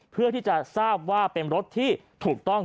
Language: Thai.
เพื่อที่จะทราบว่าเป็นรถที่ถูกต้อง